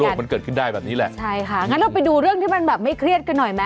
มันเกิดขึ้นได้แบบนี้แหละใช่ค่ะงั้นเราไปดูเรื่องที่มันแบบไม่เครียดกันหน่อยไหม